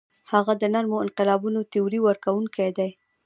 هغه د نرمو انقلابونو تیوري ورکوونکی دی.